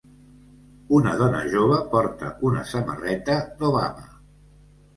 Una dona jove porta una samarreta d'Obama